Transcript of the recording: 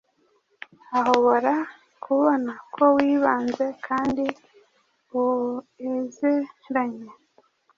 ahobora kubona ko wibanze kandi uezeranye